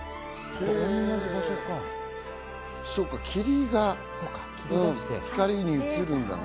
そうか、霧が光に映るんだね。